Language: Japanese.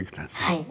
はい。